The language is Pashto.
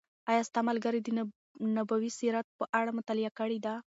آیا ستا ملګري د نبوي سیرت په اړه مطالعه کړې ده؟